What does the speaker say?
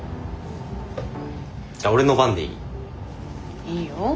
じゃあ俺の番でいい？いいよ。